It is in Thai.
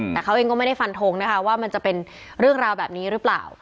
แต่เขาเองก็ไม่ได้ฟันทงนะคะว่ามันจะเป็นเรื่องราวแบบนี้หรือเปล่า